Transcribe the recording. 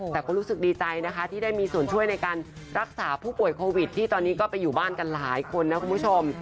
แต่ก็รู้สึกดีใจนะคะที่ได้มีส่วนช่วยในการรักษาผู้ป่วยโควิดที่ตอนนี้ก็ไปอยู่บ้านกันหลายคนนะคุณผู้ชม